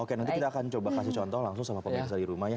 oke nanti kita akan coba kasih contoh langsung sama pemirsa di rumah ya